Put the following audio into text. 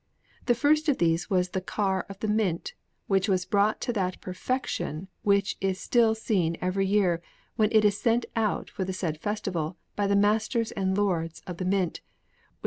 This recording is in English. The first of these was the car of the Mint, which was brought to that perfection which is still seen every year when it is sent out for the said festival by the Masters and Lords of the Mint, with a S.